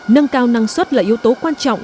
nâng cao năng suất là yếu tố quan trọng